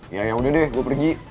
ya ya udah deh gue pergi